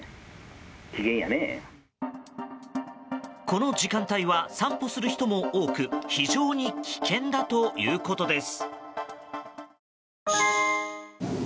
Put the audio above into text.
この時間帯は散歩する人も多く非常に危険だということです。